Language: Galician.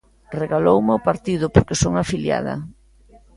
Regalouma o Partido porque son afiliada.